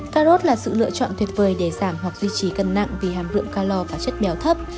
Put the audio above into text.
cà rốt là sự lựa chọn tuyệt vời để giảm hoặc duy trì cân nặng vì hàm lượng calor và chất béo thấp